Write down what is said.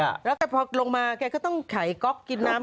แล้วแกพอลงมาแกก็ต้องไขก๊อกกินน้ำ